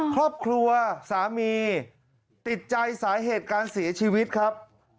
ครอบครัวสามีติดใจสาเหตุการเสียชีวิตครับ